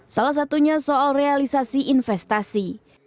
salah satunya soal realisasi investasi